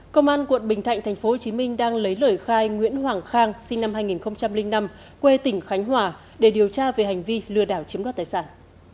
công an quận bình thạnh tp hcm đang lấy lời khai nguyễn hoàng khang sinh năm hai nghìn năm quê tỉnh khánh hòa để điều tra về hành vi lừa đảo chiếm đoạt tài sản